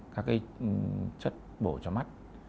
các cái chất bổ cho mắt